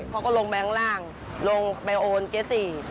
เขาก็ลงไปข้างล่างลงไปโอนเจสซี